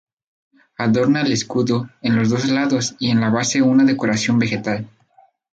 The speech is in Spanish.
Adorna el escudo en los dos lados y en la base una decoración vegetal.